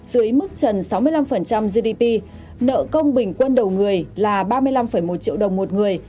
dưới mức trần sáu mươi năm gdp nợ công bình quân đầu người là ba mươi năm một triệu đồng một người